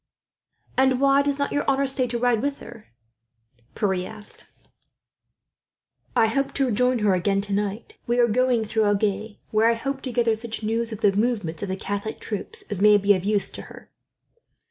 "And why does not your honour stay to ride with her?" Pierre asked. "I hope to join her again, tonight. We are going through Agen, where I hope to gather such news, of the movements of the Catholic troops, as may be of use to her."